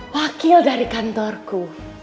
wakil dari kantorku